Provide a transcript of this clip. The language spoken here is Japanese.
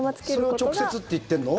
それを直接って言ってるの？